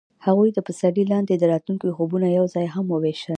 هغوی د پسرلی لاندې د راتلونکي خوبونه یوځای هم وویشل.